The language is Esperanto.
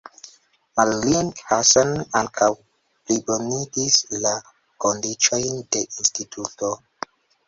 Malling-Hansen ankaŭ plibonigis la kondiĉojn de Instituto.